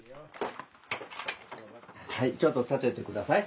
はいちょっと立って下さい。